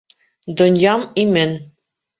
Донъям имен.